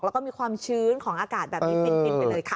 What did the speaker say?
แล้วก็มีความชื้นของอากาศแบบนี้ฟินไปเลยค่ะ